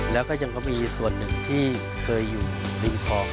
แล้วก็ยังก็มีส่วนหนึ่งที่เคยอยู่ริมคลอง